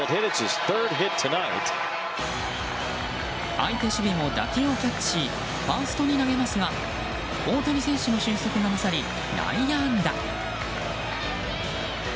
相手守備も打球をキャッチしファーストに投げますが大谷選手の俊足が勝り、内野安打。